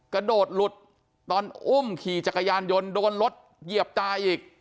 กระโดดหลุดตอนอุ้มขี่จักรยานยนต์โดนรถเหยียบตาอีก